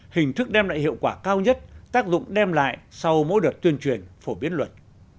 hình thức đem lại hiệu quả cao nhất tác dụng đem lại sau mỗi đợt tuyên truyền phổ biến luật